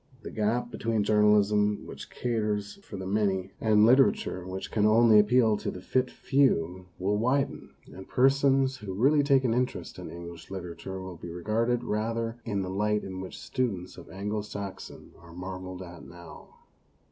The gap between journalism which caters for the many and literature THE VERDICT OF POSTERITY 183 which can only appeal to the fit few will widen, and persons who really take an in terest in English literature will be regarded rather in the light in which students of Anglo Saxon are marvelled at now.